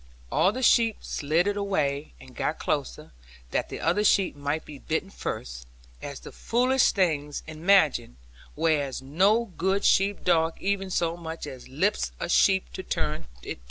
All the sheep sidled away, and got closer, that the other sheep might be bitten first, as the foolish things imagine; whereas no good sheep dog even so much as lips a sheep to turn it.